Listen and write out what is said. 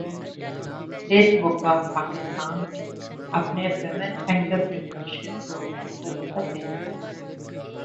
face بک کا پاکستان میں اپنے وومن انٹرپرینیورشپ پروگرام کو وسعت دینے کا اعلان